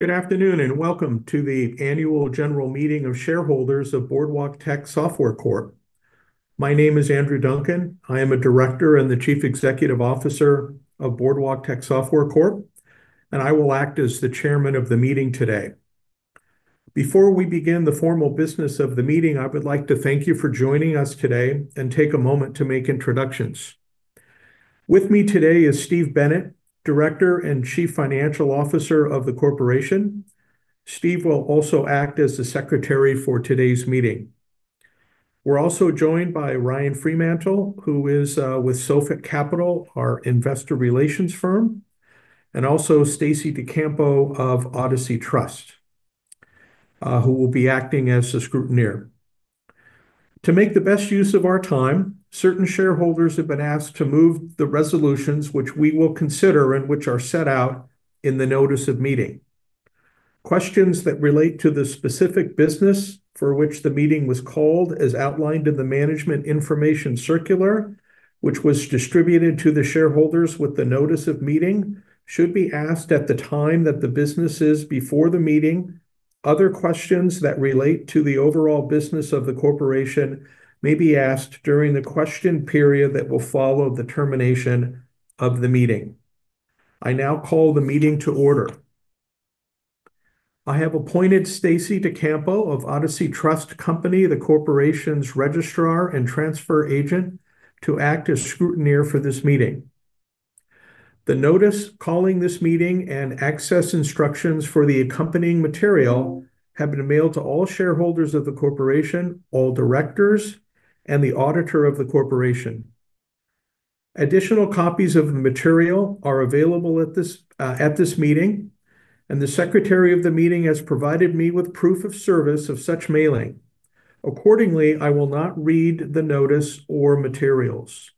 Good afternoon and welcome to the Annual General Meeting of Shareholders of Boardwalktech Software Corp. My name is Andrew Duncan. I am a Director and the Chief Executive Officer of Boardwalktech Software Corp, and I will act as the chairman of the meeting today. Before we begin the formal business of the meeting, I would like to thank you for joining us today and take a moment to make introductions. With me today is Steve Bennet, Director and Chief Financial Officer of the corporation. Steve will also act as the secretary for today's meeting. We're also joined by Ryan Freemantle, who is with Sophic Capital, our investor relations firm, and also Stacy Diocampo of Odyssey Trust, who will be acting as the scrutineer. To make the best use of our time, certain shareholders have been asked to move the resolutions which we will consider and which are set out in the notice of meeting. Questions that relate to the specific business for which the meeting was called as outlined in the management information circular, which was distributed to the shareholders with the notice of meeting, should be asked at the time that the business is before the meeting. Other questions that relate to the overall business of the corporation may be asked during the question period that will follow the termination of the meeting. I now call the meeting to order. I have appointed Stacy Diocampo of Odyssey Trust Company, the corporation's registrar and transfer agent, to act as scrutineer for this meeting. The notice calling this meeting and access instructions for the accompanying material have been mailed to all shareholders of the corporation, all directors, and the auditor of the corporation. Additional copies of the material are available at this meeting, and the Secretary of the meeting has provided me with proof of service of such mailing. Accordingly, I will not read the notice or materials.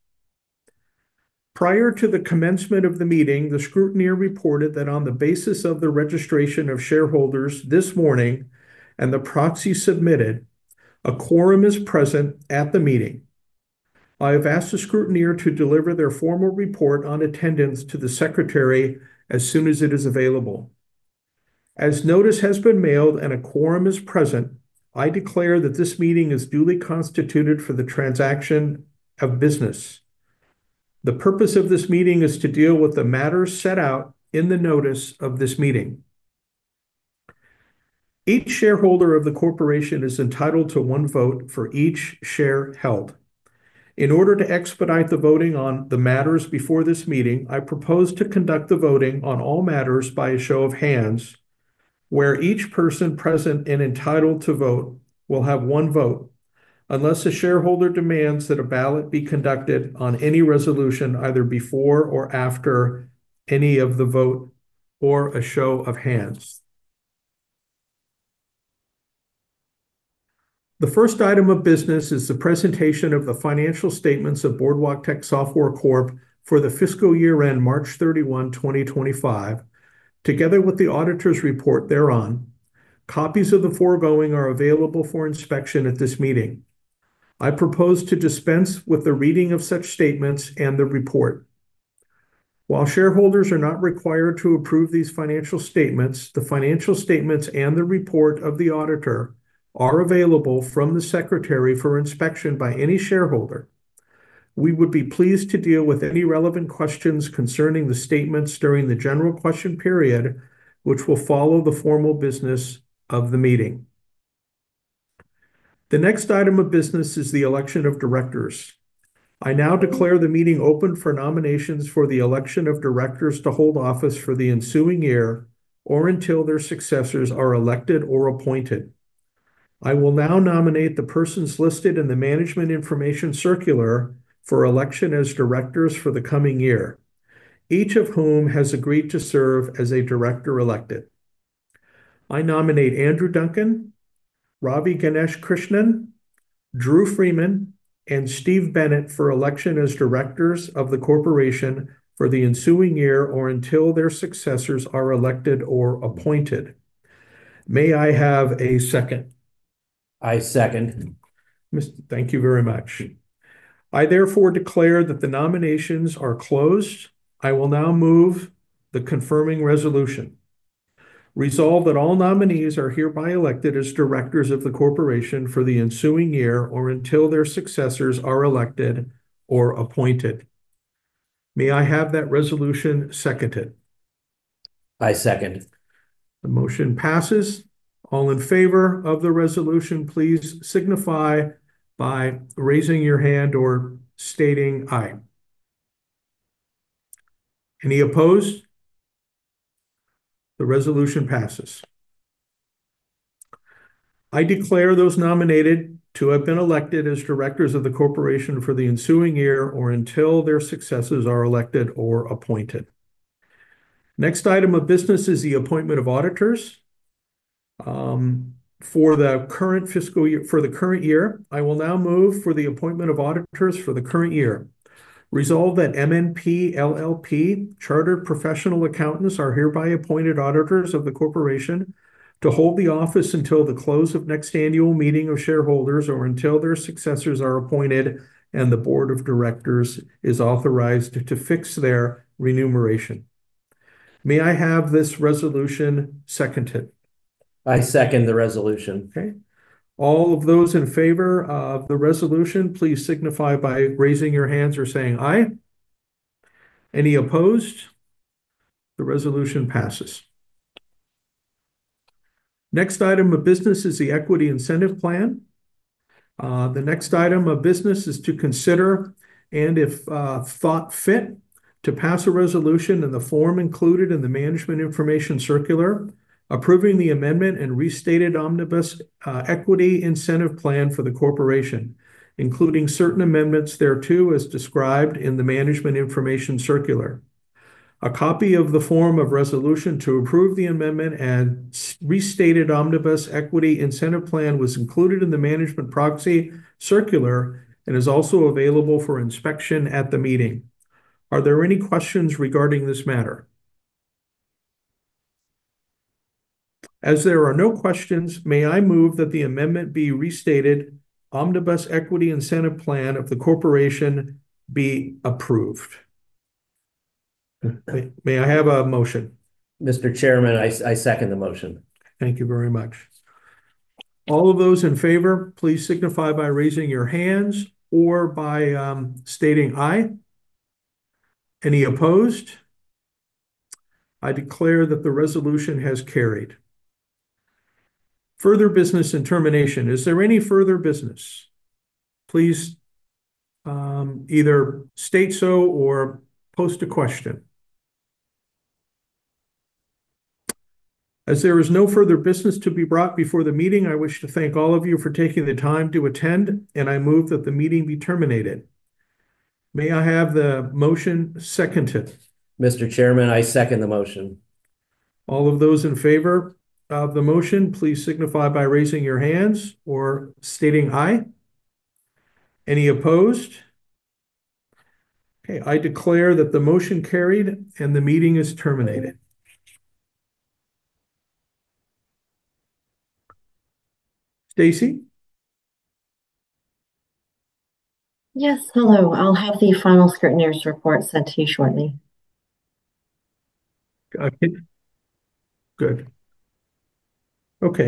Prior to the commencement of the meeting, the scrutineer reported that on the basis of the registration of shareholders this morning and the proxy submitted, a quorum is present at the meeting. I have asked the scrutineer to deliver their formal report on attendance to the Secretary as soon as it is available. As notice has been mailed and a quorum is present, I declare that this meeting is duly constituted for the transaction of business. The purpose of this meeting is to deal with the matters set out in the notice of this meeting. Each shareholder of the corporation is entitled to one vote for each share held. In order to expedite the voting on the matters before this meeting, I propose to conduct the voting on all matters by a show of hands where each person present and entitled to vote will have one vote unless a shareholder demands that a ballot be conducted on any resolution either before or after any of the vote or a show of hands. The first item of business is the presentation of the financial statements of Boardwalktech Software Corp for the fiscal year end March 31, 2025, together with the auditor's report thereon. Copies of the foregoing are available for inspection at this meeting. I propose to dispense with the reading of such statements and the report. While shareholders are not required to approve these financial statements, the financial statements and the report of the auditor are available from the Secretary for inspection by any shareholder. We would be pleased to deal with any relevant questions concerning the statements during the general question period, which will follow the formal business of the meeting. The next item of business is the election of directors. I now declare the meeting open for nominations for the election of directors to hold office for the ensuing year or until their successors are elected or appointed. I will now nominate the persons listed in the management information circular for election as directors for the coming year, each of whom has agreed to serve as a director elected. I nominate Andrew Duncan, Ravi Ganesh Krishnan, Drue Freeman, and Steve Bennet for election as directors of the corporation for the ensuing year or until their successors are elected or appointed. May I have a second? I second. Thank you very much. I therefore declare that the nominations are closed. I will now move the confirming resolution. Resolve that all nominees are hereby elected as directors of the corporation for the ensuing year or until their successors are elected or appointed. May I have that resolution seconded? I second. The motion passes. All in favor of the resolution, please signify by raising your hand or stating aye. Any opposed? The resolution passes. I declare those nominated to have been elected as directors of the corporation for the ensuing year or until their successors are elected or appointed. Next item of business is the appointment of auditors for the current year. I will now move for the appointment of auditors for the current year. Resolve that MNP LLP, Chartered Professional Accountants, are hereby appointed auditors of the corporation to hold the office until the close of next annual meeting of shareholders or until their successors are appointed and the board of directors is authorized to fix their remuneration. May I have this resolution seconded? I second the resolution. Okay. All of those in favor of the resolution, please signify by raising your hands or saying aye. Any opposed? The resolution passes. Next item of business is the equity incentive plan. The next item of business is to consider, and if thought fit, to pass a resolution in the form included in the management information circular approving the amendment and restated omnibus equity incentive plan for the corporation, including certain amendments thereto as described in the management information circular. A copy of the form of resolution to approve the amendment and restated omnibus equity incentive plan was included in the management proxy circular and is also available for inspection at the meeting. Are there any questions regarding this matter? As there are no questions, may I move that the amendment and restated omnibus equity incentive plan of the corporation be approved? May I have a motion? Mr. Chairman, I second the motion. Thank you very much. All of those in favor, please signify by raising your hands or by stating aye. Any opposed? I declare that the resolution has carried. Further business and termination. Is there any further business? Please either state so or post a question. As there is no further business to be brought before the meeting, I wish to thank all of you for taking the time to attend, and I move that the meeting be terminated. May I have the motion seconded? Mr. Chairman, I second the motion. All of those in favor of the motion, please signify by raising your hands or stating aye. Any opposed? Okay. I declare that the motion carried and the meeting is terminated. Stacy? Yes. Hello. I'll have the final scrutineer's report sent to you shortly. Good. Okay.